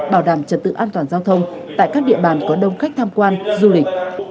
bảo đảm trật tự an toàn giao thông tại các địa bàn có đông khách tham quan du lịch